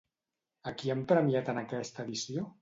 A qui han premiat en aquesta edició?